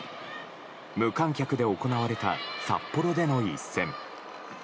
無観客で行われた札幌での一戦。